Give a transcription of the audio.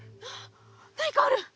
何かある。